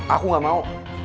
aku gak mau